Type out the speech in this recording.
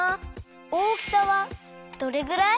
大きさはどれぐらい？